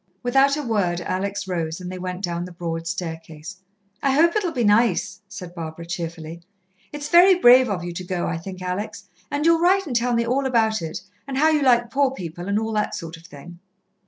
Without a word Alex rose, and they went down the broad staircase. "I hope it'll be nice," said Barbara cheerfully. "It's very brave of you to go, I think, Alex, and you'll write and tell me all about it, and how you like poor people, and all that sort of thing."